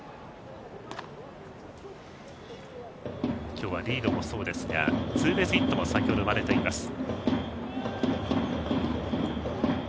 今日はリードもそうですがツーベースヒットも先ほど生まれています。